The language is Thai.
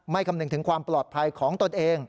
คำนึงถึงความปลอดภัยของตนเอง